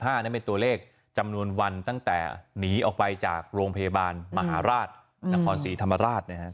นั่นเป็นตัวเลขจำนวนวันตั้งแต่หนีออกไปจากโรงพยาบาลมหาราชนครศรีธรรมราชนะครับ